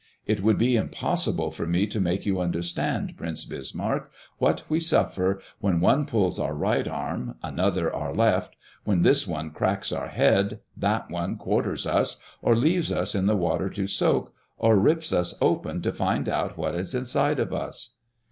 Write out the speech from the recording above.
It would be impossible for me to make you understand, Prince Bismarck, what we suffer when one pulls our right arm, another our left; when this one cracks our head, that one quarters us or leaves us in the water to soak, or rips us open to find out what is inside of us!"